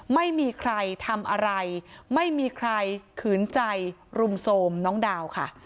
ไม่มีใครทำอะไรไม่มีใครขืนใจรุมโทรมน้องดาวค่ะ